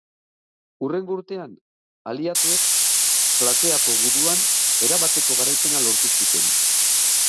Hurrengo urtean, aliatuek Plateako guduan erabateko garaipena lortu zuten.